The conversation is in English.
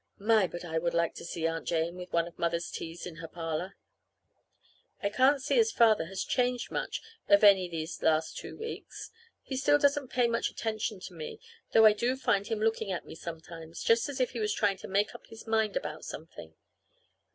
My! but I would like to see Aunt Jane with one of Mother's teas in her parlor! I can't see as Father has changed much of any these last two weeks. He still doesn't pay much of any attention to me, though I do find him looking at me sometimes, just as if he was trying to make up his mind about something.